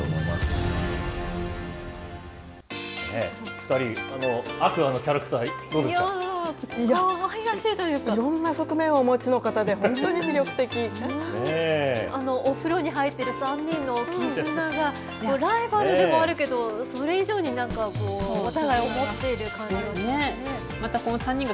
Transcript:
２人、天空海のキャラクター、いや、いろんな側面をお持ちの方で、お風呂に入ってる３人の絆が、ライバルでもあるけど、それ以上になんかこう、お互いを思っている感じが。